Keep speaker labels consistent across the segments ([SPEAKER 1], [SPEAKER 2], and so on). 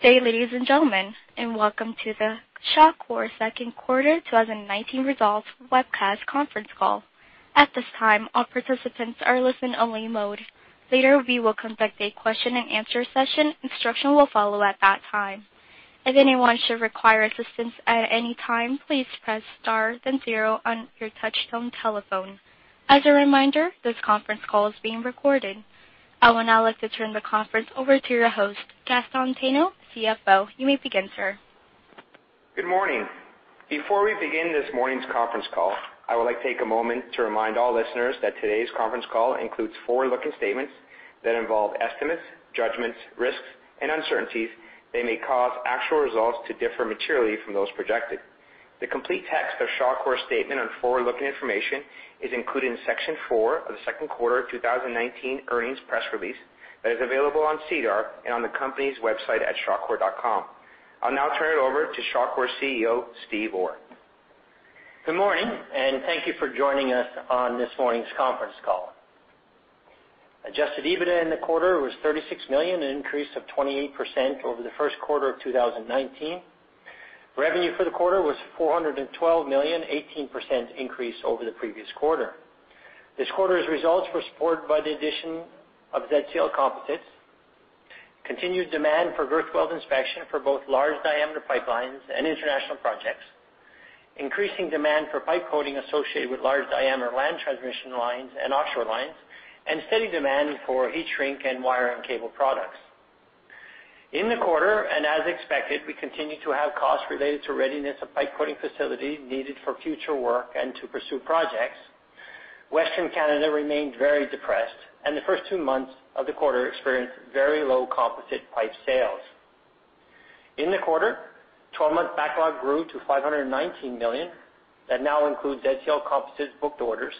[SPEAKER 1] Good day, ladies and gentlemen, and welcome to the Shawcor Second Quarter 2019 Results Webcast Conference Call. At this time, all participants are listening-only mode. Later, we will conduct a question-and-answer session. Instruction will follow at that time. If anyone should require assistance at any time, please press star then zero on your touch-tone telephone. As a reminder, this conference call is being recorded. I will now like to turn the conference over to your host, Gaston Tano, CFO. You may begin, sir.
[SPEAKER 2] Good morning. Before we begin this morning's conference call, I would like to take a moment to remind all listeners that today's conference call includes forward-looking statements that involve estimates, judgments, risks, and uncertainties that may cause actual results to differ materially from those projected. The complete text of Shawcor's statement on forward-looking information is included in Section 4 of the Second Quarter 2019 Earnings Press Release that is available on SEDAR and on the company's website at shawcor.com. I'll now turn it over to Shawcor CEO, Steve Orr.
[SPEAKER 3] Good morning, and thank you for joining us on this morning's conference call. Adjusted EBITDA in the quarter was 36 million, an increase of 28% over the first quarter of 2019. Revenue for the quarter was 412 million, an 18% increase over the previous quarter. This quarter's results were supported by the addition of ZCL Composites, continued demand for integrity management for both large-diameter pipelines and international projects, increasing demand for pipe coating associated with large-diameter land transmission lines and offshore lines, and steady demand for heat-shrink and wire and cable products. In the quarter, and as expected, we continue to have costs related to readiness of pipe coating facilities needed for future work and to pursue projects. Western Canada remained very depressed, and the first two months of the quarter experienced very low composite pipe sales. In the quarter, 12-month backlog grew to 519 million. That now includes ZCL Composites booked orders,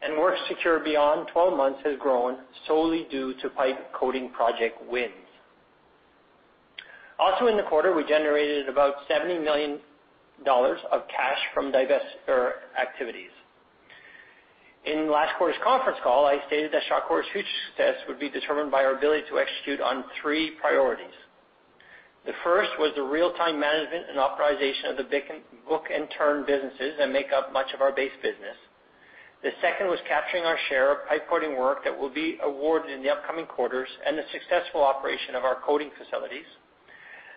[SPEAKER 3] and work secured beyond 12 months has grown solely due to pipe coating project wins. Also, in the quarter, we generated about $70 million of cash from diverse activities. In last quarter's conference call, I stated that Shawcor's future success would be determined by our ability to execute on three priorities. The first was the real-time management and authorization of the book and turn businesses that make up much of our base business. The second was capturing our share of pipe coating work that will be awarded in the upcoming quarters and the successful operation of our coating facilities.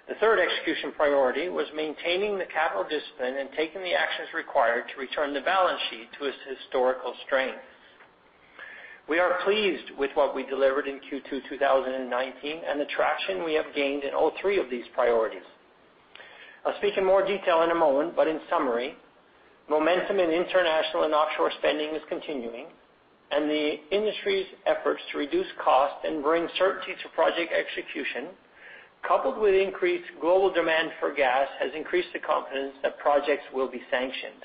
[SPEAKER 3] The third execution priority was maintaining the capital discipline and taking the actions required to return the balance sheet to its historical strength. We are pleased with what we delivered in Q2 2019 and the traction we have gained in all three of these priorities. I'll speak in more detail in a moment, but in summary, momentum in international and offshore spending is continuing, and the industry's efforts to reduce costs and bring certainty to project execution, coupled with increased global demand for gas, have increased the confidence that projects will be sanctioned.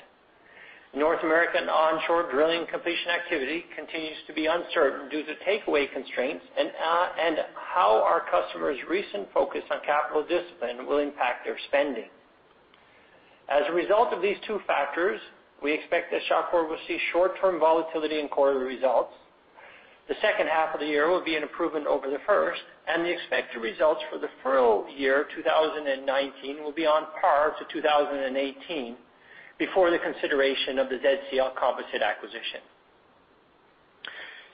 [SPEAKER 3] North American onshore drilling completion activity continues to be uncertain due to takeaway constraints and how our customers' recent focus on capital discipline will impact their spending. As a result of these two factors, we expect that Shawcor will see short-term volatility in quarterly results. The second half of the year will be an improvement over the first, and the expected results for the full year 2019 will be on par to 2018 before the consideration of the ZCL Composites acquisition.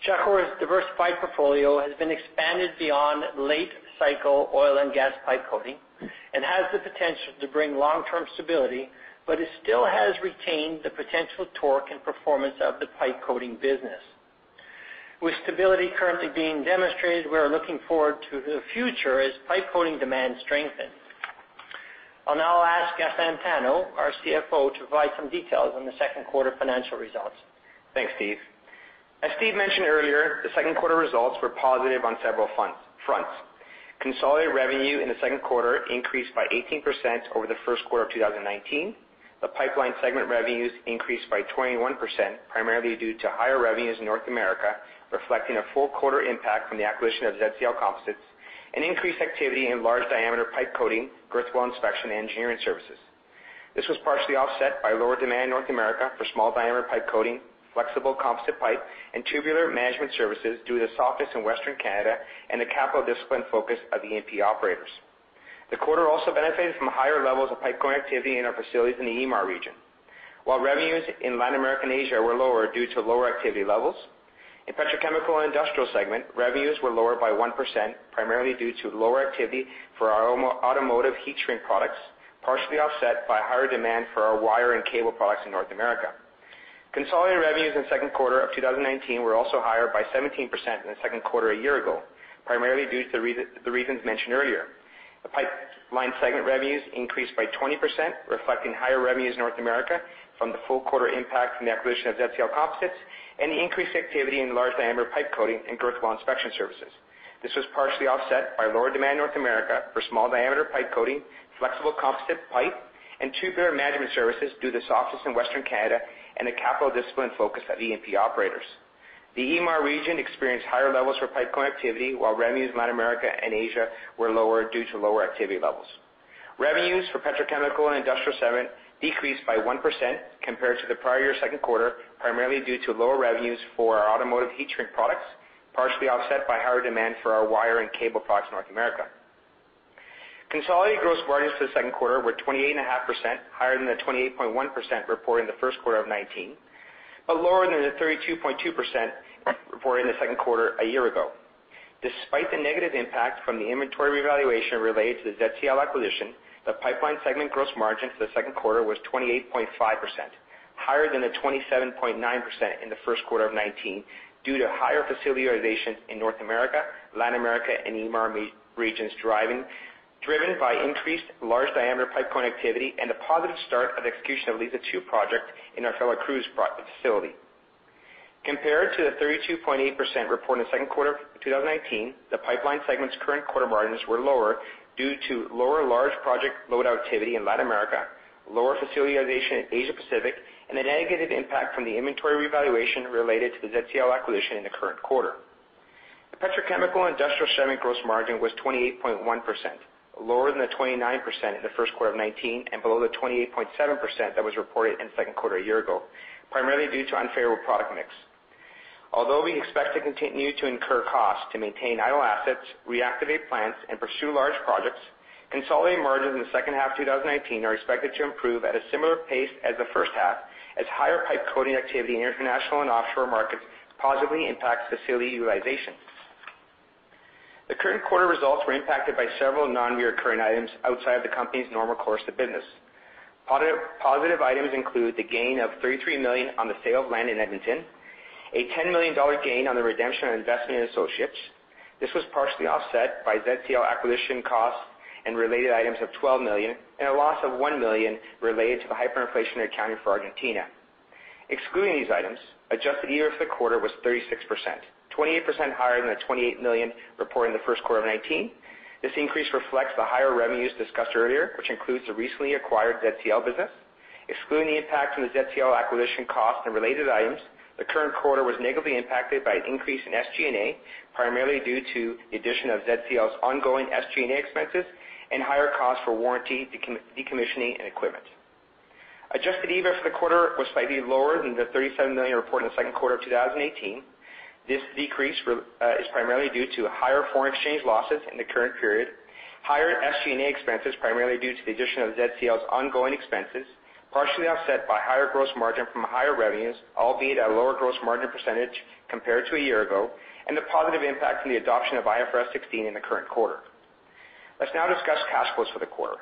[SPEAKER 3] Shawcor's diversified portfolio has been expanded beyond late-cycle oil and gas pipe coating and has the potential to bring long-term stability, but it still has retained the potential torque and performance of the pipe coating business. With stability currently being demonstrated, we are looking forward to the future as pipe coating demand strengthens. I'll now ask Gaston Tano, our CFO, to provide some details on the second quarter financial results.
[SPEAKER 2] Thanks, Steve. As Steve mentioned earlier, the second quarter results were positive on several fronts. Consolidated revenue in the second quarter increased by 18% over the first quarter of 2019. The pipeline segment revenues increased by 21%, primarily due to higher revenues in North America, reflecting a full quarter impact from the acquisition of ZCL Composites and increased activity in large-diameter pipe coating, Guardian inspection, and engineering services. This was partially offset by lower demand in North America for small-diameter pipe coating, flexible composite pipe, and tubular management services due to the softness in Western Canada and the capital discipline focus of E&P operators. The quarter also benefited from higher levels of pipe coating activity in our facilities in the EMAR region. While revenues in Latin America and Asia were lower due to lower activity levels, in the petrochemical and industrial segment, revenues were lower by 1%, primarily due to lower activity for our automotive heat-shrink products, partially offset by higher demand for our wiring cable products in North America. Consolidated revenues in the second quarter of 2019 were also higher by 17% than the second quarter a year ago, primarily due to the reasons mentioned earlier. The pipeline segment revenues increased by 20%, reflecting higher revenues in North America from the full quarter impact from the acquisition of ZCL Composites and the increased activity in large-diameter pipe coating and Guardian inspection services. This was partially offset by lower demand in North America for small-diameter pipe coating, flexible composite pipe, and tubular management services due to the softness in Western Canada and the capital discipline focus of E&P operators. The EMEA region experienced higher levels for pipe coating activity, while revenues in Latin America and Asia were lower due to lower activity levels. Revenues for petrochemical and industrial segment decreased by 1% compared to the prior year second quarter, primarily due to lower revenues for our automotive heat-shrink products, partially offset by higher demand for our wiring cable products in North America. Consolidated gross margins for the second quarter were 28.5%, higher than the 28.1% reported in the first quarter of 2019, but lower than the 32.2% reported in the second quarter a year ago. Despite the negative impact from the inventory revaluation related to the ZCL Composites acquisition, the pipeline segment gross margin for the second quarter was 28.5%, higher than the 27.9% in the first quarter of 2019 due to higher facility utilization in North America, Latin America, and EMEA regions driven by increased large-diameter pipe coating activity and the positive start of execution of Liza Phase II project in our Veracruz facility. Compared to the 32.8% reported in the second quarter of 2019, the pipeline segment's current quarter margins were lower due to lower large-project load activity in Latin America, lower facility utilization in Asia-Pacific, and the negative impact from the inventory revaluation related to the ZCL Composites acquisition in the current quarter. The petrochemical and industrial segment gross margin was 28.1%, lower than the 29% in the first quarter of 2019 and below the 28.7% that was reported in the second quarter a year ago, primarily due to unfavorable product mix. Although we expect to continue to incur costs to maintain idle assets, reactivate plants, and pursue large projects, consolidated margins in the second half of 2019 are expected to improve at a similar pace as the first half, as higher pipe coating activity in international and offshore markets positively impacts facility utilization. The current quarter results were impacted by several non-recurring items outside of the company's normal course of business. Positive items include the gain of $33 million on the sale of land in Edmonton, a $10 million gain on the redemption of investment in associates. This was partially offset by ZCL Composites acquisition costs and related items of $12 million, and a loss of $1 million related to the hyperinflationary accounting for Argentina. Excluding these items, Adjusted EBITDA for the quarter was 36%, 28% higher than the $28 million reported in the first quarter of 2019. This increase reflects the higher revenues discussed earlier, which includes the recently acquired ZCL Composites business. Excluding the impact from the ZCL Composites acquisition costs and related items, the current quarter was negatively impacted by an increase in SG&A, primarily due to the addition of ZCL Composites's ongoing SG&A expenses and higher costs for warranty decommissioning and equipment. Adjusted EBITDA for the quarter was slightly lower than the $37 million reported in the second quarter of 2018 This decrease is primarily due to higher foreign exchange losses in the current period, higher SG&A expenses primarily due to the addition of ZCL's ongoing expenses, partially offset by higher gross margin from higher revenues, albeit at a lower gross margin percentage compared to a year ago, and the positive impact from the adoption of IFRS 16 in the current quarter. Let's now discuss cash flows for the quarter.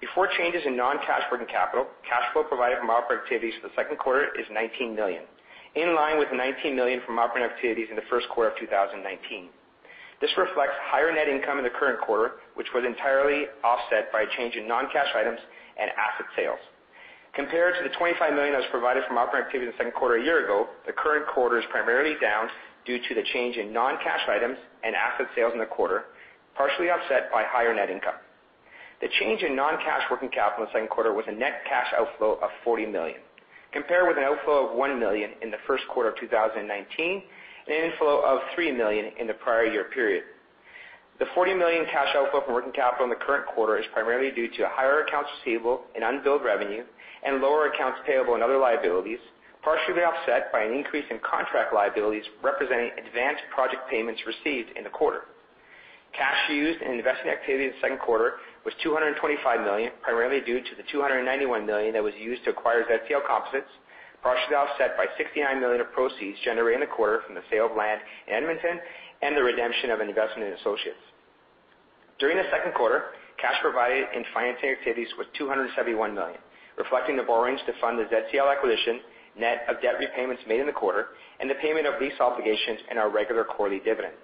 [SPEAKER 2] Before changes in non-cash working capital, cash flow provided from operating activities for the second quarter is $19 million, in line with the $19 million from operating activities in the first quarter of 2019. This reflects higher net income in the current quarter, which was entirely offset by a change in non-cash items and asset sales. Compared to the $25 million that was provided from operating activities in the second quarter a year ago, the current quarter is primarily down due to the change in non-cash items and asset sales in the quarter, partially offset by higher net income. The change in non-cash working capital in the second quarter was a net cash outflow of $40 million, compared with an outflow of $1 million in the first quarter of 2019 and an inflow of $3 million in the prior year period. The $40 million cash outflow from working capital in the current quarter is primarily due to higher accounts receivable in unbilled revenue and lower accounts payable in other liabilities, partially offset by an increase in contract liabilities representing advanced project payments received in the quarter. Cash used in investing activities in the second quarter was $225 million, primarily due to the $291 million that was used to acquire ZCL Composites, partially offset by $69 million of proceeds generated in the quarter from the sale of land in Edmonton and the redemption of an investment in associates. During the second quarter, cash provided in financing activities was $271 million, reflecting the borrowings to fund the ZCL Composites acquisition, net of debt repayments made in the quarter, and the payment of lease obligations and our regular quarterly dividend.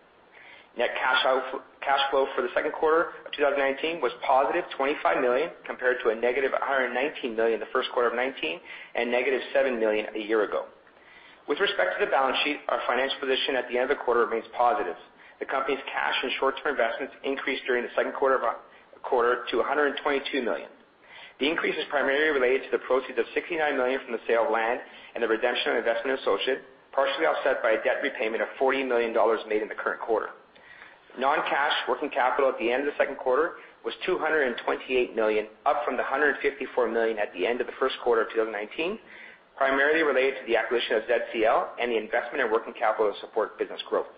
[SPEAKER 2] Net cash flow for the second quarter of 2019 was positive $25 million compared to a negative $119 million in the first quarter of 2019 and negative $7 million a year ago. With respect to the balance sheet, our financial position at the end of the quarter remains positive. The company's cash and short-term investments increased during the second quarter to $122 million. The increase is primarily related to the proceeds of $69 million from the sale of land and the redemption of investment in associates, partially offset by a debt repayment of $40 million made in the current quarter. Non-cash working capital at the end of the second quarter was $228 million, up from the $154 million at the end of the first quarter of 2019, primarily related to the acquisition of ZCL Composites and the investment in working capital to support business growth.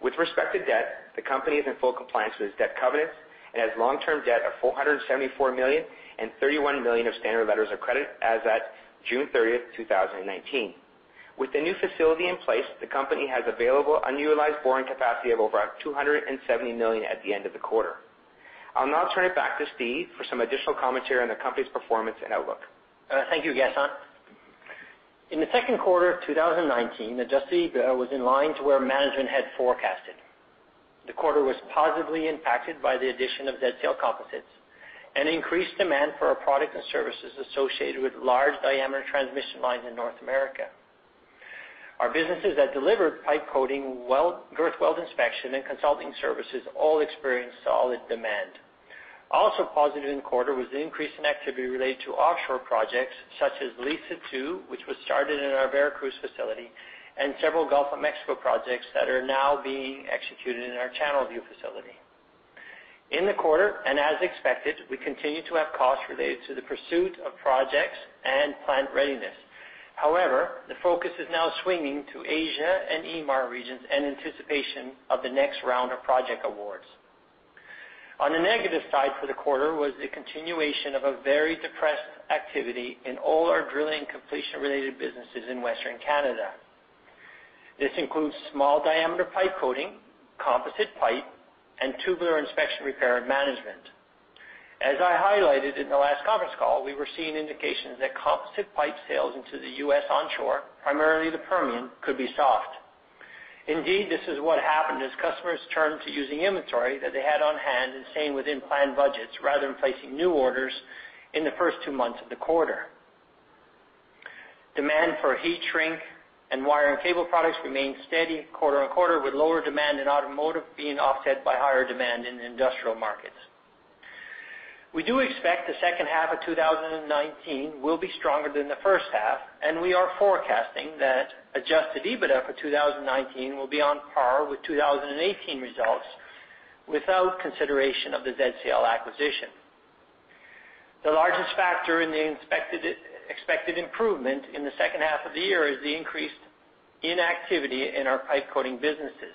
[SPEAKER 2] With respect to debt, the company is in full compliance with its debt covenants and has long-term debt of $474 million and $31 million of standard letters of credit as at June 30, 2019. With the new facility in place, the company has available unutilized borrowing capacity of over $270 million at the end of the quarter. I'll now turn it back to Steve for some additional commentary on the company's performance and outlook.
[SPEAKER 3] Thank you, Gaston. In the second quarter of 2019, Adjusted EBITDA was in line to where management had forecasted. The quarter was positively impacted by the addition of ZCL Composites and increased demand for our product and services associated with large-diameter transmission lines in North America. Our businesses that delivered pipe coating, integrity inspection, and consulting services all experienced solid demand. Also positive in the quarter was the increase in activity related to offshore projects such as Liza II, which was started in our Veracruz facility, and several Gulf of Mexico projects that are now being executed in our Channelview facility. In the quarter, and as expected, we continue to have costs related to the pursuit of projects and plant readiness. However, the focus is now swinging to Asia and EMEA regions and anticipation of the next round of project awards. On the negative side for the quarter was the continuation of a very depressed activity in all our drilling and completion-related businesses in Western Canada. This includes small-diameter pipe coating, composite pipe, and tubular inspection repair and management. As I highlighted in the last conference call, we were seeing indications that composite pipe sales into the U.S. onshore, primarily the Permian, could be soft. Indeed, this is what happened as customers turned to using inventory that they had on hand and staying within planned budgets rather than placing new orders in the first two months of the quarter. Demand for heat-shrink and wiring cable products remained steady quarter-over-quarter, with lower demand in automotive being offset by higher demand in industrial markets. We do expect the second half of 2019 will be stronger than the first half, and we are forecasting that Adjusted EBITDA for 2019 will be on par with 2018 results without consideration of the ZCL acquisition. The largest factor in the expected improvement in the second half of the year is the increased inactivity in our pipe coating businesses.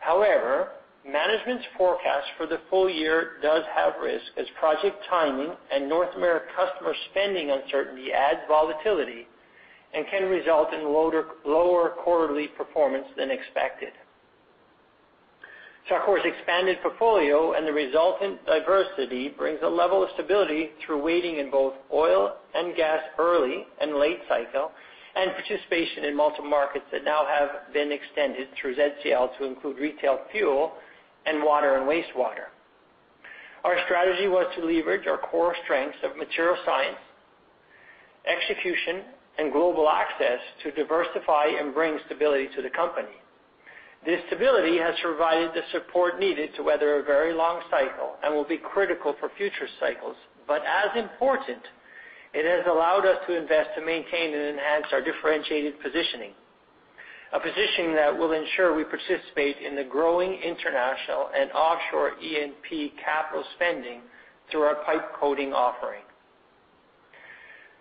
[SPEAKER 3] However, management's forecast for the full year does have risk as project timing and North America customer spending uncertainty adds volatility and can result in lower quarterly performance than expected. Of course, expanded portfolio and the resultant diversity brings a level of stability through weighting in both oil and gas early and late cycle and participation in multiple markets that now have been extended through ZCL to include retail fuel and water and wastewater. Our strategy was to leverage our core strengths of material science, execution, and global access to diversify and bring stability to the company. This stability has provided the support needed to weather a very long cycle and will be critical for future cycles, but as important, it has allowed us to invest to maintain and enhance our differentiated positioning, a positioning that will ensure we participate in the growing international and offshore E&P capital spending through our pipe coating offering.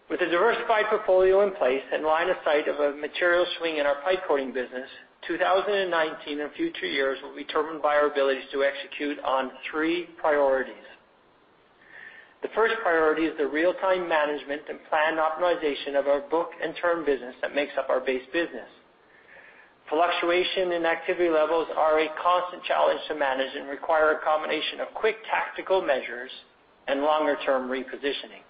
[SPEAKER 3] With a diversified portfolio in place and line of sight of a material swing in our pipe coating business, 2019 and future years will be determined by our ability to execute on three priorities. The first priority is the real-time management and plan optimization of our book and turn business that makes up our base business. Fluctuation in activity levels are a constant challenge to manage and require a combination of quick tactical measures and longer-term repositioning.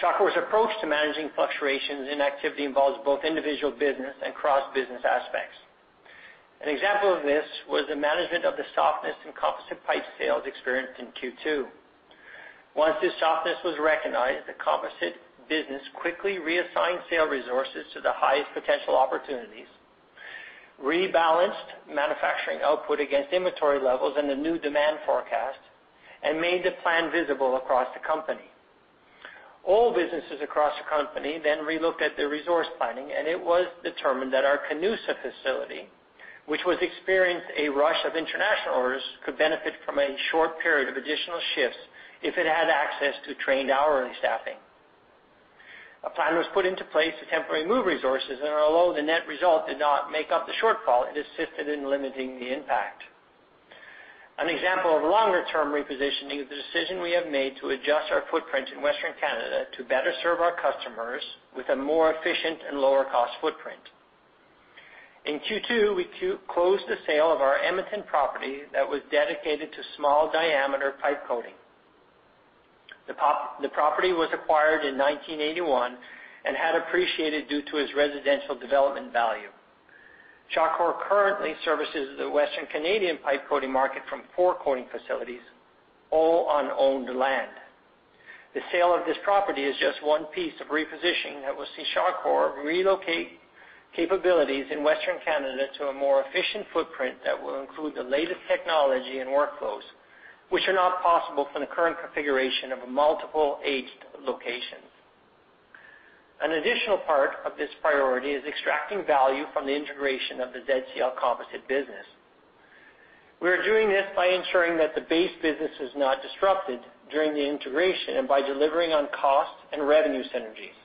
[SPEAKER 3] Shawcor's approach to managing fluctuations in activity involves both individual business and cross-business aspects. An example of this was the management of the softness in composite pipe sales experienced in Q2. Once this softness was recognized, the composite business quickly reassigned sale resources to the highest potential opportunities, rebalanced manufacturing output against inventory levels and the new demand forecast, and made the plan visible across the company. All businesses across the company then re-looked at their resource planning, and it was determined that our Canusa facility, which was experiencing a rush of international orders, could benefit from a short period of additional shifts if it had access to trained hourly staffing. A plan was put into place to temporarily move resources, and although the net result did not make up the shortfall, it assisted in limiting the impact. An example of longer-term repositioning is the decision we have made to adjust our footprint in Western Canada to better serve our customers with a more efficient and lower-cost footprint. In Q2, we closed the sale of our Edmonton property that was dedicated to small-diameter pipe coating. The property was acquired in 1981 and had appreciated due to its residential development value. Shawcor currently services the Western Canadian pipe coating market from four coating facilities, all on owned land. The sale of this property is just one piece of repositioning that will see Shawcor relocate capabilities in Western Canada to a more efficient footprint that will include the latest technology and workflows, which are not possible from the current configuration of multiple aged locations. An additional part of this priority is extracting value from the integration of the ZCL Composites business. We are doing this by ensuring that the base business is not disrupted during the integration and by delivering on cost and revenue synergies.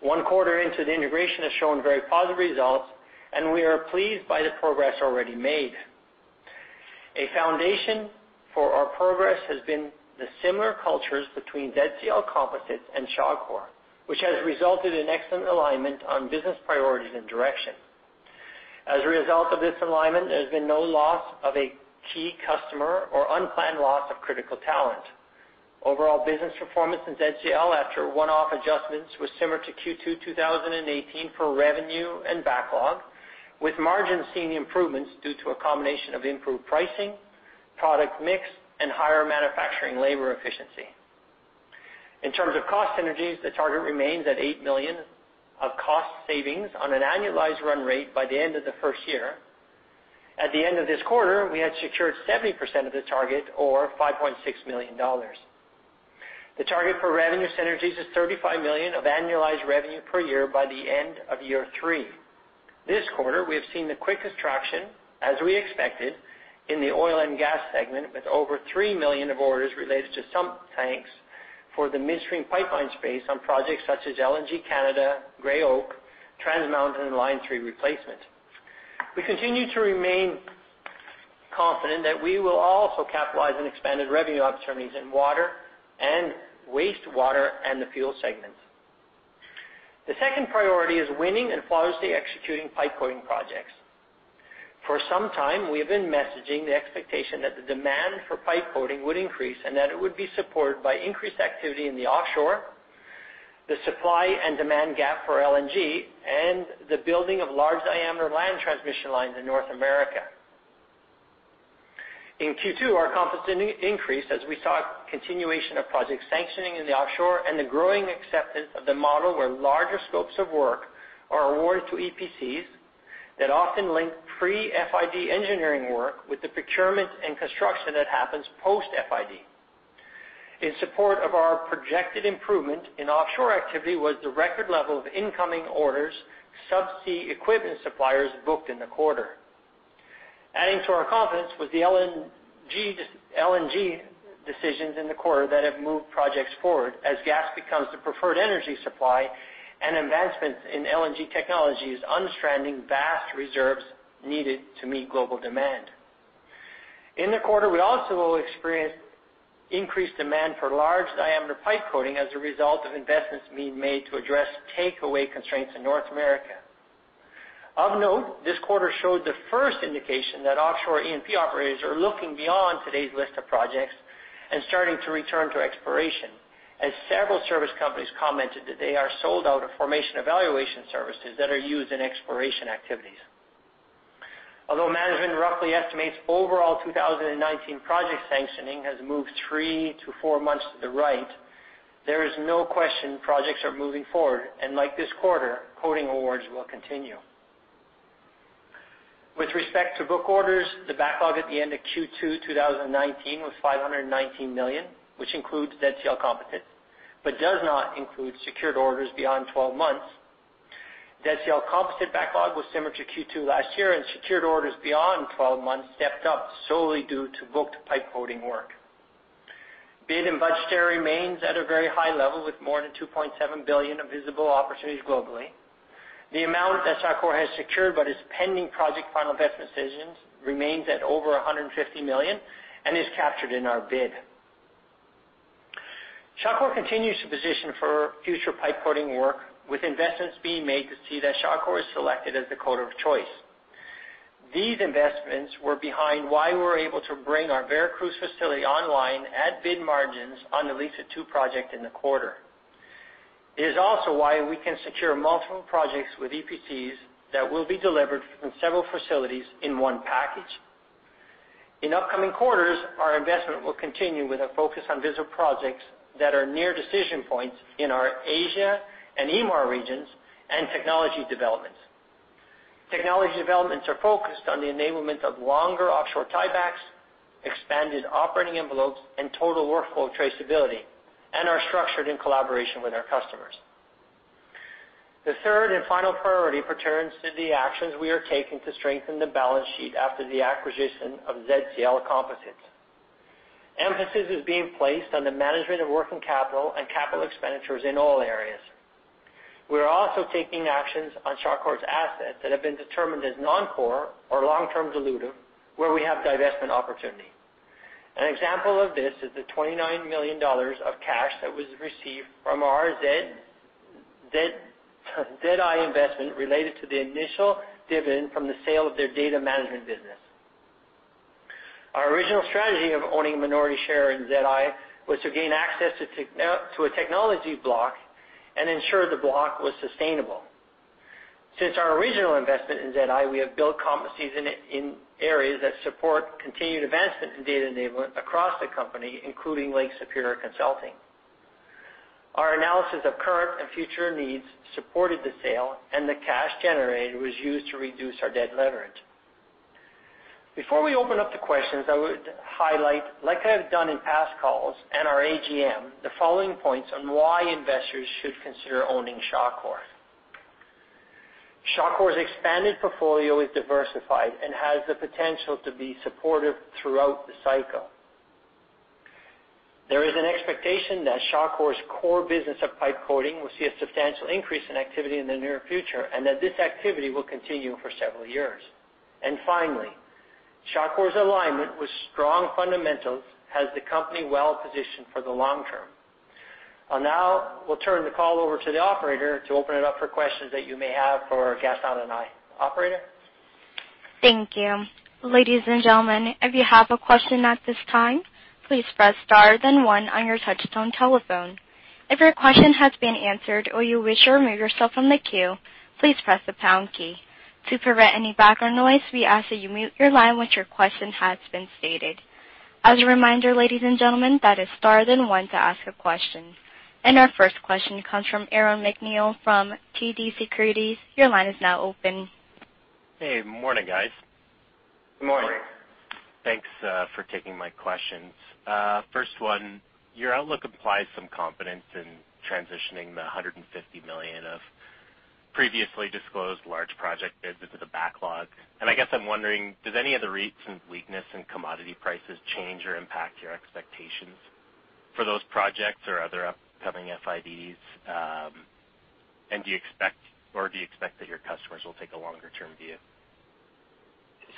[SPEAKER 3] One quarter into the integration has shown very positive results, and we are pleased by the progress already made. A foundation for our progress has been the similar cultures between ZCL Composites and Shawcor, which has resulted in excellent alignment on business priorities and direction. As a result of this alignment, there has been no loss of a key customer or unplanned loss of critical talent. Overall business performance in ZCL after one-off adjustments was similar to Q2 2018 for revenue and backlog, with margins seeing improvements due to a combination of improved pricing, product mix, and higher manufacturing labor efficiency. In terms of cost synergies, the target remains at $8 million of cost savings on an annualized run rate by the end of the first year. At the end of this quarter, we had secured 70% of the target, or $5.6 million. The target for revenue synergies is $35 million of annualized revenue per year by the end of year three. This quarter, we have seen the quickest traction, as we expected, in the oil and gas segment with over $3 million of orders related to sump tanks for the midstream pipeline space on projects such as LNG Canada, Gray Oak, Trans Mountain, and Line 3 Replacement. We continue to remain confident that we will also capitalize on expanded revenue opportunities in water and wastewater and the fuel segments. The second priority is winning and flawlessly executing pipe coating projects. For some time, we have been messaging the expectation that the demand for pipe coating would increase and that it would be supported by increased activity in the offshore, the supply and demand gap for LNG, and the building of large-diameter land transmission lines in North America. In Q2, our composite increased as we saw continuation of project sanctioning in the offshore and the growing acceptance of the model where larger scopes of work are awarded to EPCs that often link pre-FID engineering work with the procurement and construction that happens post-FID. In support of our projected improvement in offshore activity was the record level of incoming orders subsea equipment suppliers booked in the quarter. Adding to our confidence was the LNG decisions in the quarter that have moved projects forward as gas becomes the preferred energy supply and advancements in LNG technologies understanding vast reserves needed to meet global demand. In the quarter, we also experienced increased demand for large-diameter pipe coating as a result of investments being made to address takeaway constraints in North America. Of note, this quarter showed the first indication that offshore E&P operators are looking beyond today's list of projects and starting to return to exploration, as several service companies commented that they are sold out of formation evaluation services that are used in exploration activities. Although management roughly estimates overall 2019 project sanctioning has moved three to four months to the right, there is no question projects are moving forward, and like this quarter, coating awards will continue. With respect to book orders, the backlog at the end of Q2 2019 was $519 million, which includes ZCL Composites, but does not include secured orders beyond 12 months. ZCL Composites backlog was similar to Q2 last year, and secured orders beyond 12 months stepped up solely due to booked pipe coating work. Bid and budgetary remains at a very high level with more than $2.7 billion of visible opportunities globally. The amount that Shawcor has secured but is pending project final investment decisions remains at over $150 million and is captured in our bid. Shawcor continues to position for future pipe coating work with investments being made to see that Shawcor is selected as the coat of choice. These investments were behind why we were able to bring our Veracruz facility online at bid margins on the Liza II project in the quarter. It is also why we can secure multiple projects with EPCs that will be delivered from several facilities in one package. In upcoming quarters, our investment will continue with a focus on visible projects that are near decision points in our Asia and EMEA regions and technology developments. Technology developments are focused on the enablement of longer offshore tiebacks, expanded operating envelopes, and total workflow traceability, and are structured in collaboration with our customers. The third and final priority pertains to the actions we are taking to strengthen the balance sheet after the acquisition of ZCL Composites. Emphasis is being placed on the management of working capital and capital expenditures in all areas. We are also taking actions on Shawcor's assets that have been determined as non-core or long-term dilutive, where we have divestment opportunity. An example of this is the $29 million of cash that was received from our Zedi investment related to the initial dividend from the sale of their data management business. Our original strategy of owning a minority share in Zedi was to gain access to a technology block and ensure the block was sustainable. Since our original investment in Zedi, we have built composites in areas that support continued advancement in data enablement across the company, including Lake Superior Consulting. Our analysis of current and future needs supported the sale, and the cash generated was used to reduce our debt leverage. Before we open up to questions, I would highlight, like I have done in past calls and our AGM, the following points on why investors should consider owning Shawcor. Shawcor's expanded portfolio is diversified and has the potential to be supportive throughout the cycle. There is an expectation that Shawcor's core business of pipe coating will see a substantial increase in activity in the near future and that this activity will continue for several years. Finally, Shawcor's alignment with strong fundamentals has the company well positioned for the long term. I'll now turn the call over to the operator to open it up for questions that you may have for Gaston and I. Operator?
[SPEAKER 1] Thank you. Ladies and gentlemen, if you have a question at this time, please press star then one on your touch-tone telephone. If your question has been answered or you wish to remove yourself from the queue, please press the pound key. To prevent any background noise, we ask that you mute your line once your question has been stated. As a reminder, ladies and gentlemen, that is star then one to ask a question. And our first question comes from Aaron MacNeil from TD Securities. Your line is now open.
[SPEAKER 4] Hey, morning, guys. Good morning. Thanks for taking my questions. First one, your outlook implies some confidence in transitioning the $150 million of previously disclosed large project bids into the backlog. And I guess I'm wondering, does any of the recent weakness in commodity prices change or impact your expectations for those projects or other upcoming FIDs? And do you expect that your customers will take a longer-term view?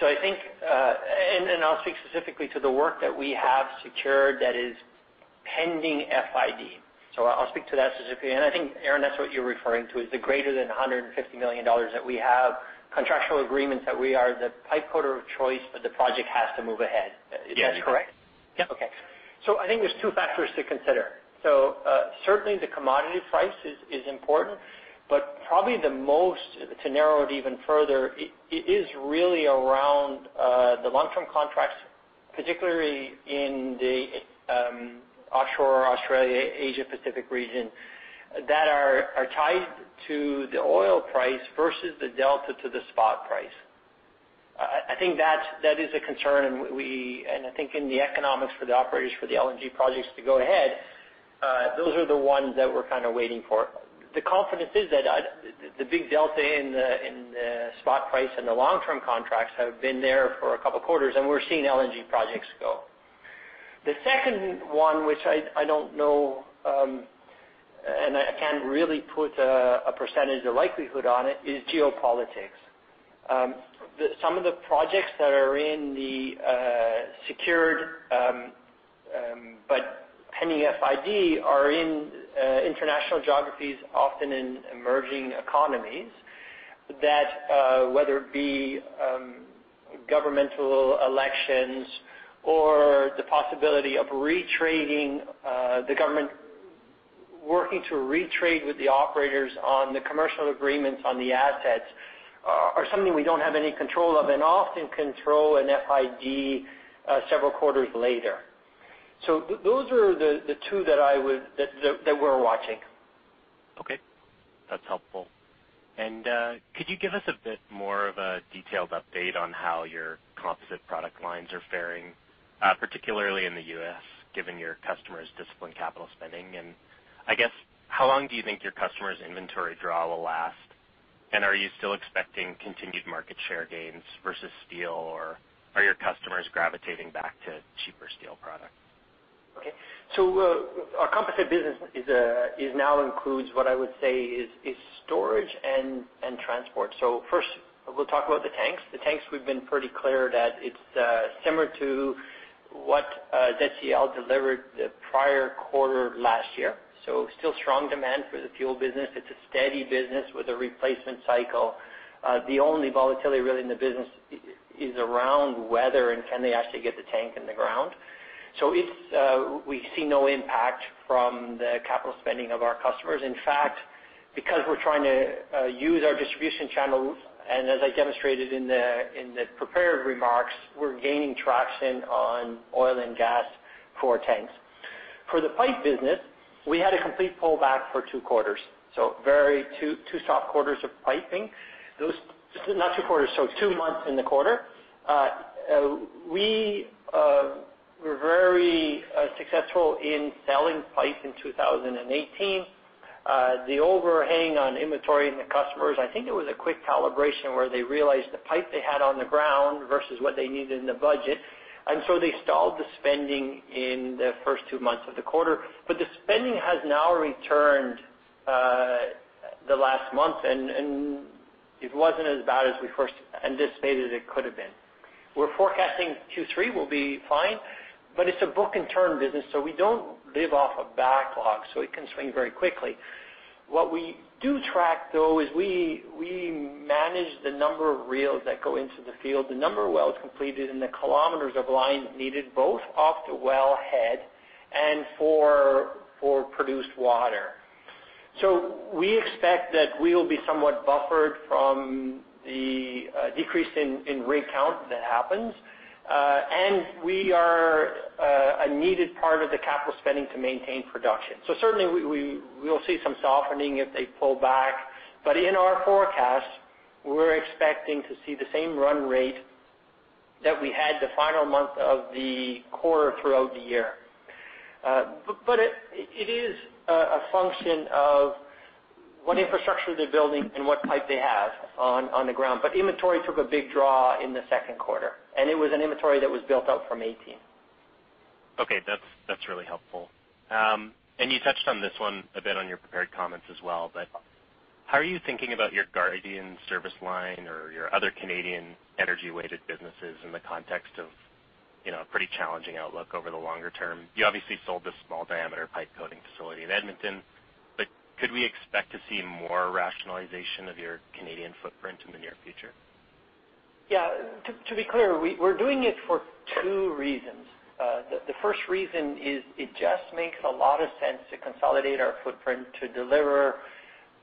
[SPEAKER 3] So I think, and I'll speak specifically to the work that we have secured that is pending FID. So I'll speak to that specifically. And I think, Aaron, that's what you're referring to is the greater than $150 million that we have, contractual agreements that we are the pipe coater of choice, but the project has to move ahead. Is that correct?
[SPEAKER 4] Yes.
[SPEAKER 3] Yep. Okay. So I think there's two factors to consider. So certainly, the commodity price is important, but probably the most, to narrow it even further, is really around the long-term contracts, particularly in the offshore Australia-Asia-Pacific region that are tied to the oil price versus the delta to the spot price. I think that is a concern, and I think in the economics for the operators for the LNG projects to go ahead, those are the ones that we're kind of waiting for. The confidence is that the big delta in the spot price and the long-term contracts have been there for a couple of quarters, and we're seeing LNG projects go. The second one, which I don't know, and I can't really put a percentage of likelihood on it, is geopolitics. Some of the projects that are in the secured but pending FID are in international geographies, often in emerging economies, that whether it be governmental elections or the possibility of retrading, the government working to retrade with the operators on the commercial agreements on the assets are something we don't have any control of and often control an FID several quarters later. So those are the two that we're watching.
[SPEAKER 4] Okay. That's helpful. And could you give us a bit more of a detailed update on how your composite product lines are faring, particularly in the U.S., given your customers' disciplined capital spending? And I guess, how long do you think your customers' inventory draw will last? And are you still expecting continued market share gains versus steel, or are your customers gravitating back to cheaper steel products?
[SPEAKER 3] Okay. So our composite business now includes what I would say is storage and transport. So first, we'll talk about the tanks. The tanks, we've been pretty clear that it's similar to what ZCL delivered the prior quarter last year. So still strong demand for the fuel business. It's a steady business with a replacement cycle. The only volatility really in the business is around weather and can they actually get the tank in the ground. So we see no impact from the capital spending of our customers. In fact, because we're trying to use our distribution channels, and as I demonstrated in the prepared remarks, we're gaining traction on oil and gas for tanks. For the pipe business, we had a complete pullback for two quarters. So two soft quarters of piping, not two quarters, so two months in the quarter. We were very successful in selling pipe in 2018. The overhang on inventory and the customers, I think it was a quick calibration where they realized the pipe they had on the ground versus what they needed in the budget. And so they stalled the spending in the first two months of the quarter. But the spending has now returned the last month, and it wasn't as bad as we first anticipated it could have been. We're forecasting Q3 will be fine, but it's a book-and-turn business, so we don't live off a backlog, so it can swing very quickly. What we do track, though, is we manage the number of reels that go into the field, the number of wells completed, and the kilometers of lines needed both off the wellhead and for produced water. So we expect that we'll be somewhat buffered from the decrease in rig count that happens, and we are a needed part of the capital spending to maintain production. So certainly, we'll see some softening if they pull back. But in our forecast, we're expecting to see the same run rate that we had the final month of the quarter throughout the year. But it is a function of what infrastructure they're building and what pipe they have on the ground. But inventory took a big draw in the second quarter, and it was an inventory that was built up from 2018.
[SPEAKER 4] Okay. That's really helpful. And you touched on this one a bit on your prepared comments as well, but how are you thinking about your Guardian service line or your other Canadian energy-weighted businesses in the context of a pretty challenging outlook over the longer term? You obviously sold the small diameter pipe coating facility in Edmonton, but could we expect to see more rationalization of your Canadian footprint in the near future?
[SPEAKER 3] Yeah. To be clear, we're doing it for two reasons. The first reason is it just makes a lot of sense to consolidate our footprint to deliver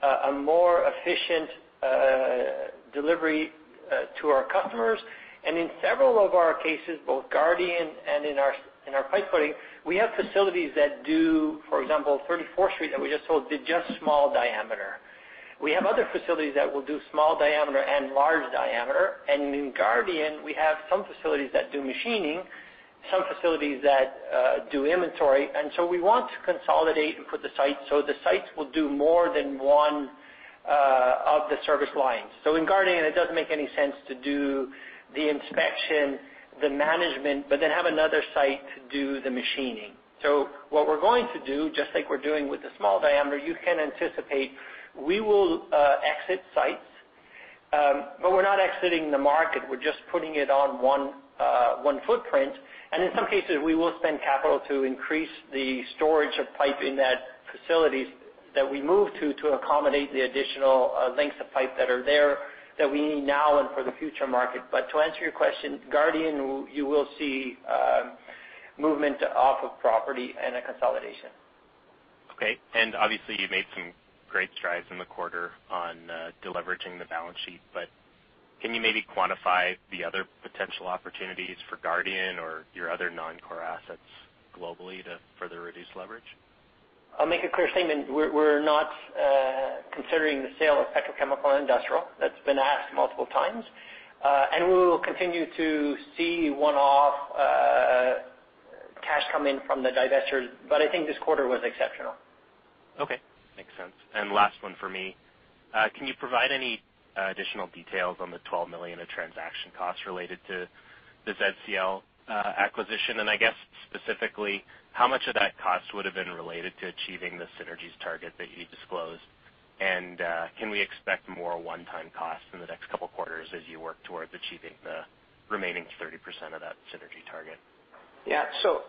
[SPEAKER 3] a more efficient delivery to our customers. In several of our cases, both Guardian and in our pipe coating, we have facilities that do, for example, 34th Street that we just sold did just small diameter. We have other facilities that will do small diameter and large diameter. In Guardian, we have some facilities that do machining, some facilities that do inventory. So we want to consolidate and put the sites so the sites will do more than one of the service lines. So in Guardian, it doesn't make any sense to do the inspection, the management, but then have another site do the machining. So what we're going to do, just like we're doing with the small diameter, you can anticipate we will exit sites, but we're not exiting the market. We're just putting it on one footprint. And in some cases, we will spend capital to increase the storage of pipe in that facilities that we moved to to accommodate the additional lengths of pipe that are there that we need now and for the future market. But to answer your question, Guardian, you will see movement off of property and a consolidation.
[SPEAKER 4] Okay. And obviously, you've made some great strides in the quarter on leveraging the balance sheet, but can you maybe quantify the other potential opportunities for Guardian or your other non-core assets globally to further reduce leverage?
[SPEAKER 2] I'll make a clear statement. We're not considering the sale of petrochemical and industrial. That's been asked multiple times. And we will continue to see one-off cash come in from the divestitures, but I think this quarter was exceptional.
[SPEAKER 4] Okay. Makes sense. And last one for me. Can you provide any additional details on the 12 million of transaction costs related to the ZCL acquisition? And I guess specifically, how much of that cost would have been related to achieving the synergies target that you disclosed? And can we expect more one-time costs in the next couple of quarters as you work towards achieving the remaining 30% of that synergy target?
[SPEAKER 2] Yeah. So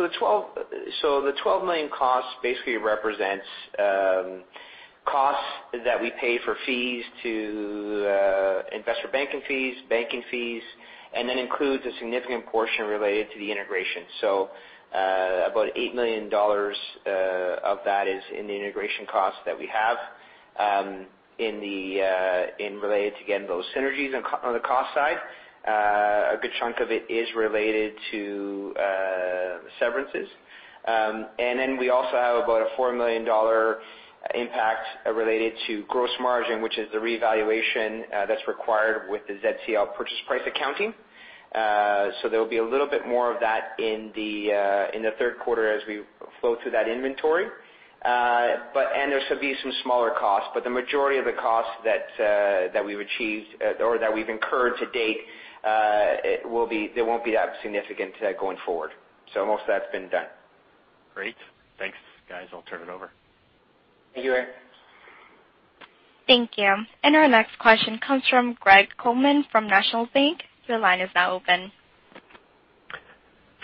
[SPEAKER 2] the 12 million costs basically represents costs that we pay for fees to investment banking fees, banking fees, and then includes a significant portion related to the integration. So about $8 million of that is in the integration costs that we have incurred related to, again, those synergies on the cost side. A good chunk of it is related to severances. And then we also have about a $4 million impact related to gross margin, which is the revaluation that's required with the ZCL purchase price accounting. So there will be a little bit more of that in the third quarter as we flow through that inventory. And there'll be some smaller costs. But the majority of the costs that we've achieved or that we've incurred to date, there won't be that significant going forward. So most of that's been done.
[SPEAKER 4] Great. Thanks, guys. I'll turn it over.
[SPEAKER 2] Thank you, Aaron.
[SPEAKER 1] Thank you. And our next question comes from Greg Colman from National Bank Financial. Your line is now open.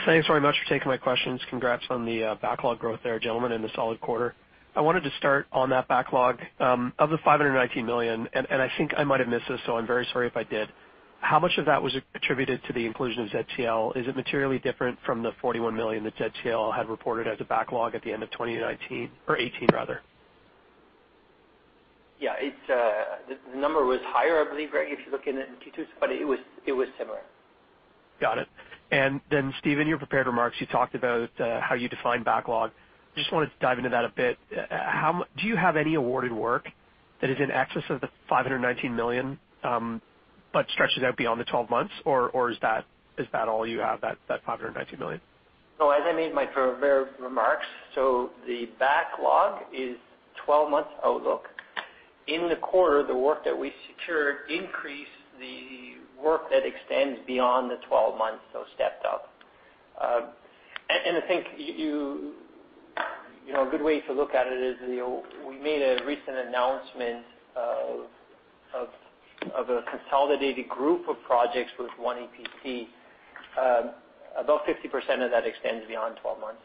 [SPEAKER 5] Thanks very much for taking my questions. Congrats on the backlog growth there, gentlemen, in the solid quarter. I wanted to start on that backlog of the $519 million, and I think I might have missed this, so I'm very sorry if I did. How much of that was attributed to the inclusion of ZCL? Is it materially different from the $41 million that ZCL had reported as a backlog at the end of 2018, rather?
[SPEAKER 3] Yeah. The number was higher, I believe, Greg, if you're looking at Q2, but it was similar.
[SPEAKER 5] Got it. And then, Steve, your prepared remarks, you talked about how you define backlog. Just wanted to dive into that a bit. Do you have any awarded work that is in excess of the $519 million but stretches out beyond the 12 months, or is that all you have, that $519 million?
[SPEAKER 3] So as I made my prepared remarks, so the backlog is 12 months outlook. In the quarter, the work that we secured increased the work that extends beyond the 12 months, so stepped up. And I think a good way to look at it is we made a recent announcement of a consolidated group of projects with one EPC. About 50% of that extends beyond 12 months.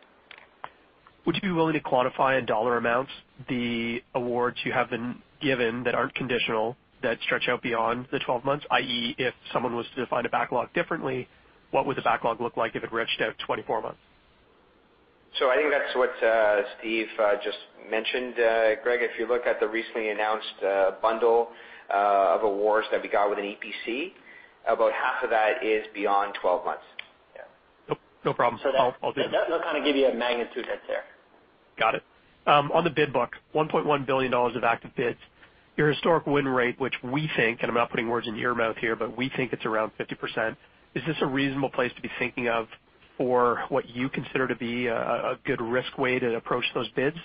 [SPEAKER 5] Would you be willing to quantify in dollar amounts the awards you have been given that aren't conditional that stretch out beyond the 12 months, i.e., if someone was to define a backlog differently, what would the backlog look like if it reached out 24 months?
[SPEAKER 2] So I think that's what Steve just mentioned. Greg, if you look at the recently announced bundle of awards that we got with an EPC, about half of that is beyond 12 months.
[SPEAKER 5] Yeah. No problem.
[SPEAKER 2] I'll do that. That'll kind of give you a magnitude head there.
[SPEAKER 5] Got it. On the bid book, $1.1 billion of active bids, your historic win rate, which we think, and I'm not putting words in your mouth here, but we think it's around 50%. Is this a reasonable place to be thinking of for what you consider to be a good risk weight to approach those bids?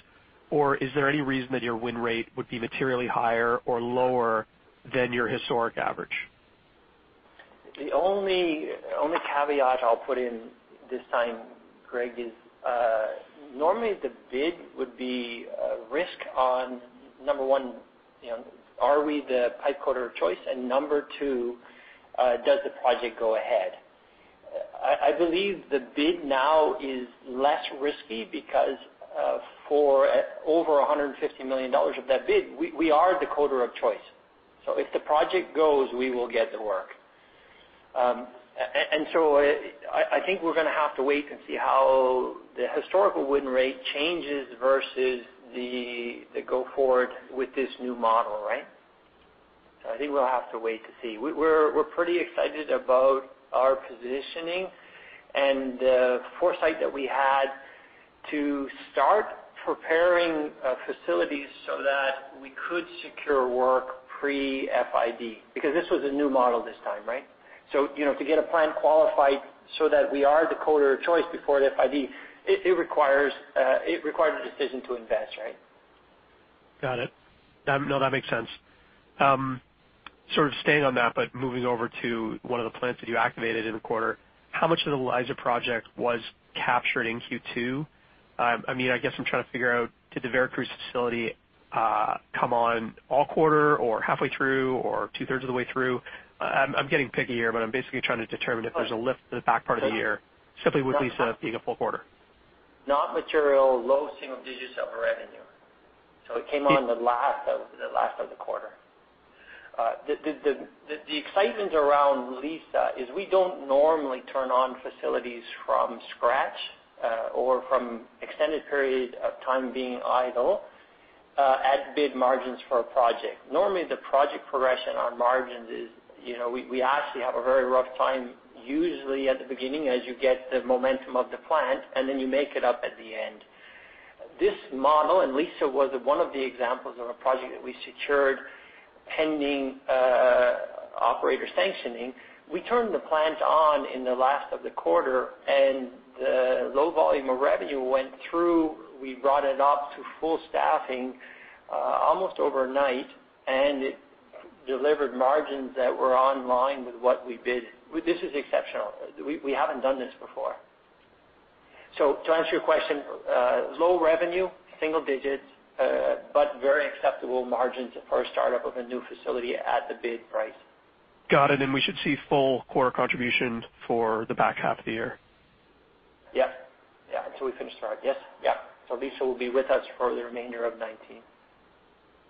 [SPEAKER 5] Or is there any reason that your win rate would be materially higher or lower than your historic average?
[SPEAKER 3] The only caveat I'll put in this time, Greg, is normally the bid would be risk on, number one, are we the pipe coater of choice? And number two, does the project go ahead? I believe the bid now is less risky because for over $150 million of that bid, we are the coater of choice. So if the project goes, we will get the work. And so I think we're going to have to wait and see how the historical win rate changes versus the go-forward with this new model, right? So I think we'll have to wait to see. We're pretty excited about our positioning and the foresight that we had to start preparing facilities so that we could secure work pre-FID because this was a new model this time, right? So to get a plan qualified so that we are the quarter of choice before the FID, it required a decision to invest, right?
[SPEAKER 5] Got it. No, that makes sense. Sort of staying on that, but moving over to one of the plants that you activated in the quarter, how much of the Liza project was captured in Q2? I mean, I guess I'm trying to figure out, did the Veracruz facility come on all quarter or halfway through or two-thirds of the way through? I'm getting picky here, but I'm basically trying to determine if there's a lift in the back part of the year, simply with Liza being a full quarter. Not material, low single digits of revenue.
[SPEAKER 2] So it came on the last of the quarter. The excitement around Liza is we don't normally turn on facilities from scratch or from extended period of time being idle at bid margins for a project. Normally, the project progression on margins is we actually have a very rough time usually at the beginning as you get the momentum of the plant, and then you make it up at the end. This model, and Liza was one of the examples of a project that we secured pending operator sanctioning. We turned the plant on in the last quarter, and the low volume of revenue went through. We brought it up to full staffing almost overnight, and it delivered margins that were in line with what we bid. This is exceptional. We haven't done this before. So to answer your question, low revenue, single digits, but very acceptable margins for a startup of a new facility at the bid price.
[SPEAKER 5] Got it. And we should see full quarter contribution for the back half of the year.
[SPEAKER 2] Yep. Yeah. Until we finish the project. Yes. Yeah. So Liza will be with us for the remainder of 2019.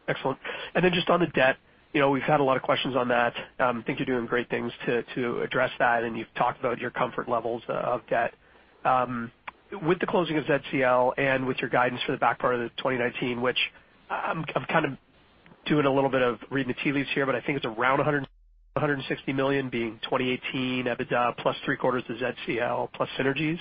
[SPEAKER 5] Excellent. And then just on the debt, we've had a lot of questions on that. I think you're doing great things to address that, and you've talked about your comfort levels of debt. With the closing of ZCL and with your guidance for the back part of the 2019, which I'm kind of doing a little bit of reading the tea leaves here, but I think it's around 160 million being 2018 EBITDA plus three-quarters of ZCL plus synergies.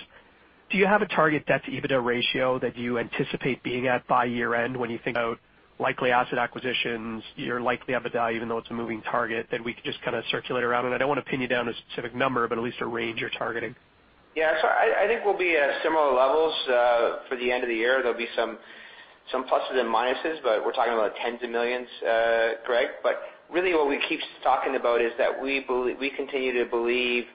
[SPEAKER 5] Do you have a target debt-to-EBITDA ratio that you anticipate being at by year-end when you think about likely asset acquisitions, your likely EBITDA, even though it's a moving target, that we could just kind of circulate around? And I don't want to pin you down to a specific number, but at least a range you're targeting.
[SPEAKER 2] Yeah. So I think we'll be at similar levels for the end of the year. There'll be some pluses and minuses, but we're talking about $ tens of millions, Greg. But really, what we keep talking about is that we continue to believe that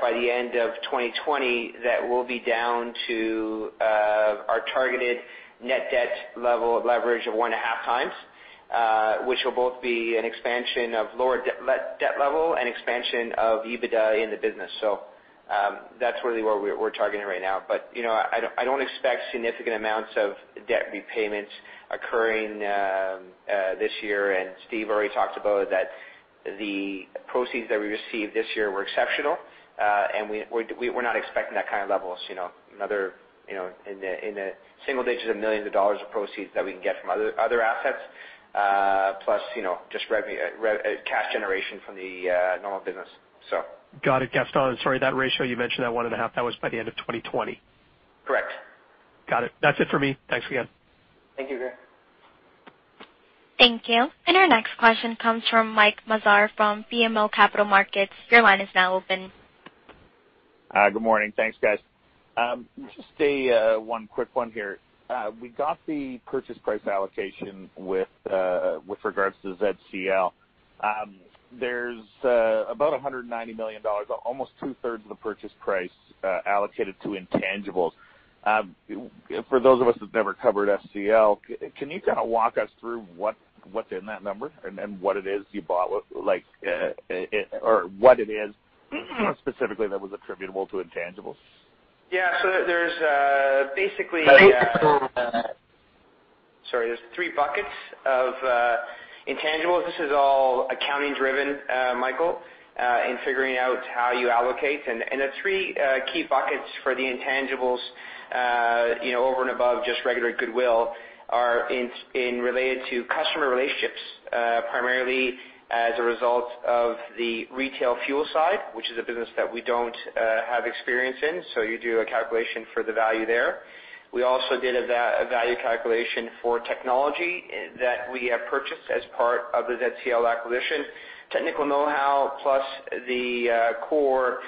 [SPEAKER 2] by the end of 2020, that we'll be down to our targeted net debt level leverage of 1.5x, which will both be an expansion of lower debt level and expansion of EBITDA in the business. So that's really where we're targeting right now. But I don't expect significant amounts of debt repayments occurring this year. And Steve already talked about that the proceeds that we received this year were exceptional, and we're not expecting that kind of levels. Another in the single digits of millions of dollars of proceeds that we can get from other assets plus just cash generation from the normal business, so.
[SPEAKER 5] Got it. Sorry. That ratio you mentioned, that 1.5, that was by the end of 2020.
[SPEAKER 2] Correct.
[SPEAKER 5] Got it. That's it for me. Thanks again.
[SPEAKER 2] Thank you, Greg.
[SPEAKER 1] Thank you. And our next question comes from Mike Mazar from BMO Capital Markets. Your line is now open.
[SPEAKER 6] Good morning. Thanks, guys. Just one quick one here. We got the purchase price allocation with regards to ZCL. There's about $190 million, almost 2/3 of the purchase price allocated to intangibles. For those of us that never covered SCL, can you kind of walk us through what's in that number and what it is you bought or what it is specifically that was attributable to intangibles?
[SPEAKER 2] Yeah. So there's basically. Sorry. There's 3 buckets of intangibles. This is all accounting-driven, Michael, in figuring out how you allocate. The three key buckets for the intangibles over and above just regular goodwill are related to customer relationships, primarily as a result of the retail fuel side, which is a business that we don't have experience in. So you do a calculation for the value there. We also did a value calculation for technology that we have purchased as part of the ZCL acquisition, technical know-how plus the core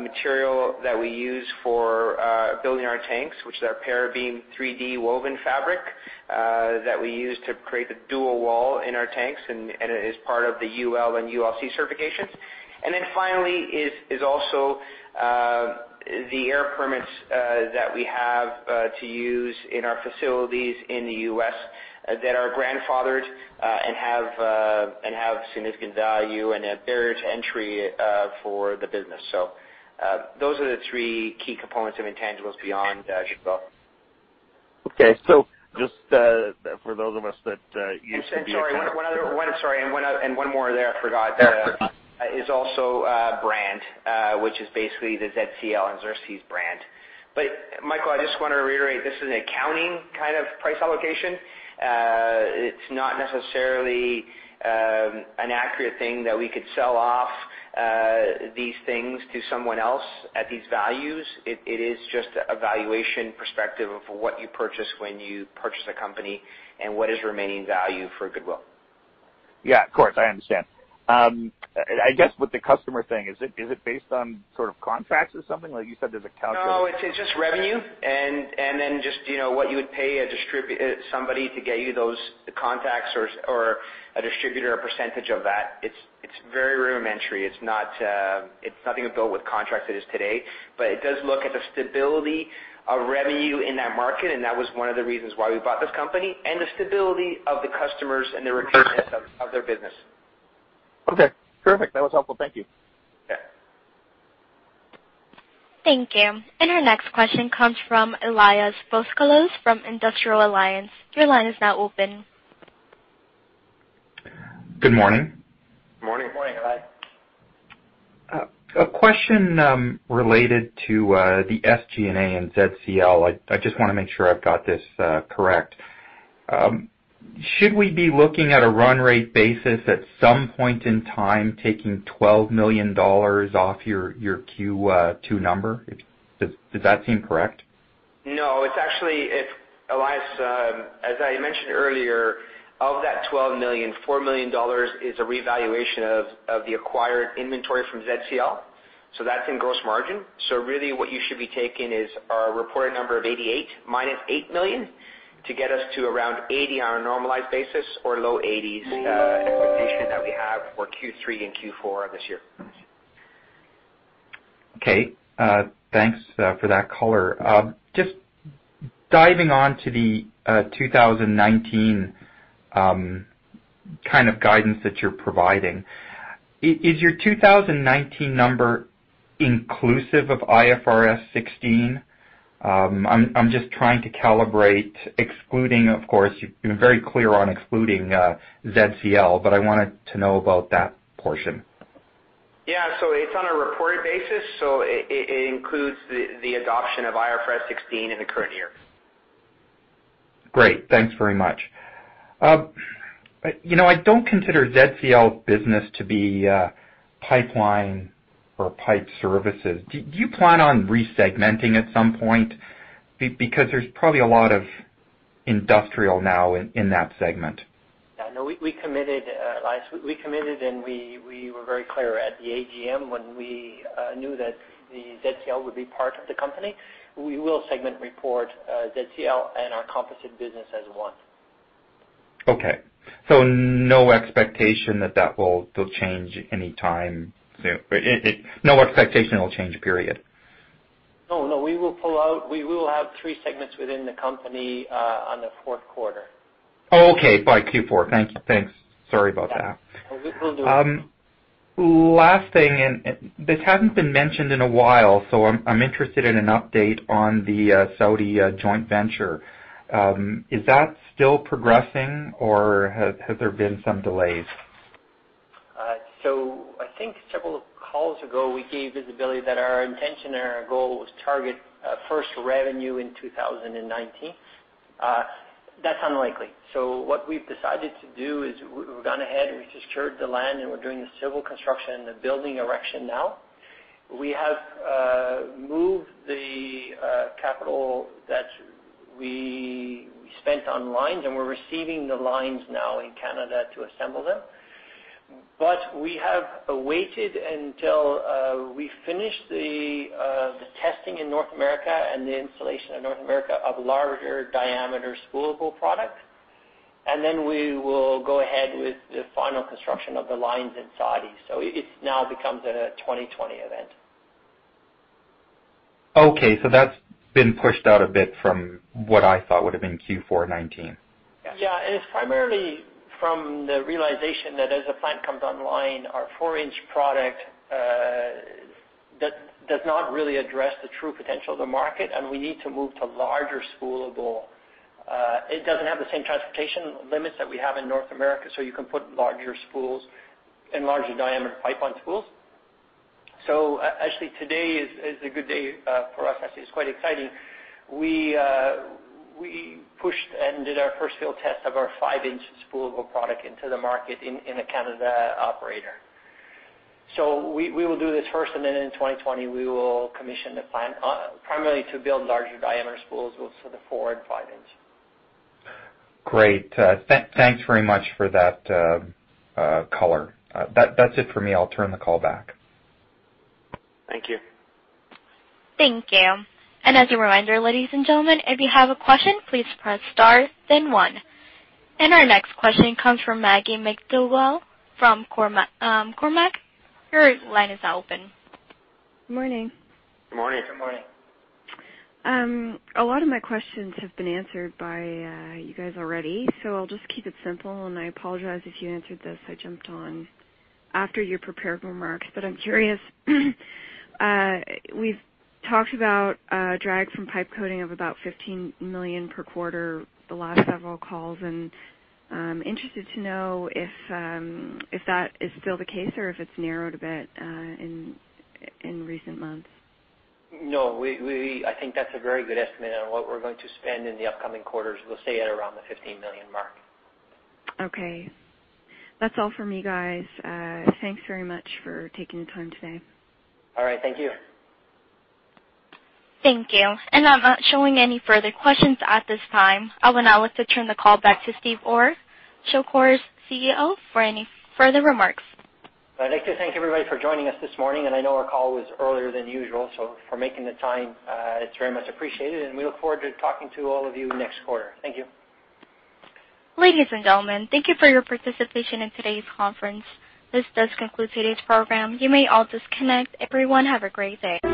[SPEAKER 2] material that we use for building our tanks, which is our Parabeam 3D woven fabric that we use to create the dual wall in our tanks and is part of the UL and ULC certifications. And then finally is also the air permits that we have to use in our facilities in the U.S. that are grandfathered and have significant value and a barrier to entry for the business. So those are the three key components of intangibles beyond as you go.
[SPEAKER 6] Okay. So just for those of us that used to be.
[SPEAKER 2] I'm sorry. Sorry. And one more there I forgot. Is also brand, which is basically the ZCL and Xerxes brand. But Michael, I just want to reiterate, this is an accounting kind of price allocation. It's not necessarily an accurate thing that we could sell off these things to someone else at these values. It is just a valuation perspective of what you purchase when you purchase a company and what is remaining value for goodwill.
[SPEAKER 6] Yeah. Of course. I understand. I guess with the customer thing, is it based on sort of contracts or something? Like you said, there's a calculation.
[SPEAKER 2] No, it's just revenue and then just what you would pay somebody to get you those contracts or a distributor or a percentage of that. It's very rudimentary. It's nothing to do with contracts as it is today, but it does look at the stability of revenue in that market, and that was one of the reasons why we bought this company and the stability of the customers and the returns of their business.
[SPEAKER 6] Okay. Perfect. That was helpful. Thank you. Okay.
[SPEAKER 1] Thank you. And our next question comes from Elias Foscolos from Industrial Alliance. Your line is now open.
[SPEAKER 7] Good morning.
[SPEAKER 2] Good morning.
[SPEAKER 3] Good morning. Hi.
[SPEAKER 7] A question related to the SG&A and Zed Seal. I just want to make sure I've got this correct. Should we be looking at a run rate basis at some point in time, taking $12 million off your Q2 number? Does that seem correct?
[SPEAKER 3] No. It's actually, Elias, as I mentioned earlier, of that $12 million, $4 million is a revaluation of the acquired inventory from ZCL. So that's in gross margin. So really what you should be taking is our reported number of $88 million minus $8 million to get us to around $80 million on a normalized basis or low $80s expectation that we have for Q3 and Q4 of this year.
[SPEAKER 7] Okay. Thanks for that color. Just diving on to the 2019 kind of guidance that you're providing, is your 2019 number inclusive of IFRS 16? I'm just trying to calibrate, excluding, of course, you've been very clear on excluding ZCL, but I wanted to know about that portion.
[SPEAKER 2] Yeah. So it's on a reported basis. So it includes the adoption of IFRS 16 in the current year.
[SPEAKER 7] Great. Thanks very much. I don't consider ZCL business to be pipeline or pipe services. Do you plan on resegmenting at some point? Because there's probably a lot of industrial now in that segment.
[SPEAKER 3] Yeah. No, we committed and we were very clear at the AGM when we knew that the ZCL would be part of the company. We will segment report ZCL and our composite business as one.
[SPEAKER 7] Okay. So no expectation that that will change anytime soon. No expectation it'll change, period.
[SPEAKER 3] No, no. We will pull out. We will have three segments within the company on the fourth quarter.
[SPEAKER 7] Oh, okay. By Q4. Thank you. Thanks. Sorry about that. We'll do it. Last thing, and this hasn't been mentioned in a while, so I'm interested in an update on the Saudi joint venture. Is that still progressing or have there been some delays?
[SPEAKER 3] So I think several calls ago, we gave visibility that our intention and our goal was target first revenue in 2019. That's unlikely. So what we've decided to do is we've gone ahead and we secured the land and we're doing the civil construction and the building erection now. We have moved the capital that we spent on lines and we're receiving the lines now in Canada to assemble them. But we have awaited until we finish the testing in North America and the installation in North America of larger diameter spoolable product, and then we will go ahead with the final construction of the lines in Saudi. So it now becomes a 2020 event.
[SPEAKER 7] Okay. So that's been pushed out a bit from what I thought would have been Q4 2019. Yeah.
[SPEAKER 3] And it's primarily from the realization that as a plant comes online, our 4-inch product does not really address the true potential of the market, and we need to move to larger spoolable. It doesn't have the same transportation limits that we have in North America, so you can put larger spools and larger diameter pipe on spools. So actually, today is a good day for us. It's quite exciting. We pushed and did our first field test of our 5-inch spoolable product into the market with a Canadian operator. So we will do this first, and then in 2020, we will commission the plant primarily to build larger diameter spools with the 4- and 5-inch.
[SPEAKER 7] Great. Thanks very much for that color. That's it for me. I'll turn the call back. Thank you.
[SPEAKER 1] Thank you. And as a reminder, ladies and gentlemen, if you have a question, please press star, then one. And our next question comes from Maggie MacDougall from Cormark. Your line is now open.
[SPEAKER 8] Good morning.
[SPEAKER 2] Good morning.
[SPEAKER 3] Good morning.
[SPEAKER 8] A lot of my questions have been answered by you guys already, so I'll just keep it simple, and I apologize if you answered this. I jumped on after your prepared remarks, but I'm curious. We've talked about drag from pipe coating of about $15 million per quarter the last several calls, and I'm interested to know if that is still the case or if it's narrowed a bit in recent months.
[SPEAKER 3] No, I think that's a very good estimate on what we're going to spend in the upcoming quarters. We'll stay at around the $15 million mark.
[SPEAKER 8] Okay. That's all for me, guys. Thanks very much for taking the time today.
[SPEAKER 3] All right. Thank you.
[SPEAKER 1] Thank you. I'm not showing any further questions at this time. I will now like to turn the call back to Steve Orr, Shawcor's CEO, for any further remarks.
[SPEAKER 3] I'd like to thank everybody for joining us this morning, and I know our call was earlier than usual, so for making the time, it's very much appreciated, and we look forward to talking to all of you next quarter. Thank you.
[SPEAKER 1] Ladies and gentlemen, thank you for your participation in today's conference. This does conclude today's program. You may all disconnect. Everyone, have a great day.